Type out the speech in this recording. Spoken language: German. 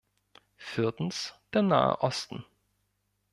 Viertens der Nahe Osten.